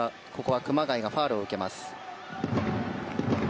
熊谷がファウルを受けます。